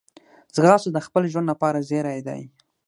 ځغاسته د خپل ژوند لپاره زېری ده